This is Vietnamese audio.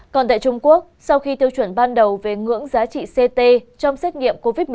còn tại trung quốc sau khi tiêu chuẩn ban đầu về ngưỡng giá trị ct trong xét nghiệm covid một mươi chín